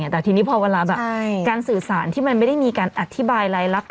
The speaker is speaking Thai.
แต่ทีนี้พอเวลาแบบการสื่อสารที่มันไม่ได้มีการอธิบายลายลักษณ